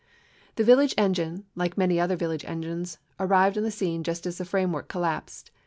The village engine, like many other village engines, arrived on the scene just as the framework collapsed.